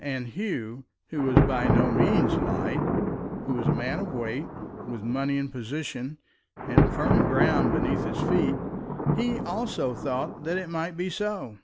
And Hugh, who was by no means light, who was a man of weight, with money and position and firm ground beneath his feet, he also thought that it might be so.